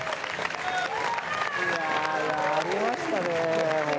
やりましたね。